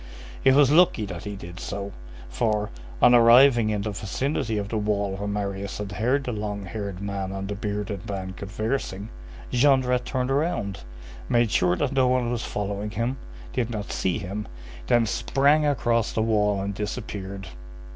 It was lucky that he did so, for, on arriving in the vicinity of the wall where Marius had heard the long haired man and the bearded man conversing, Jondrette turned round, made sure that no one was following him, did not see him, then sprang across the wall and disappeared.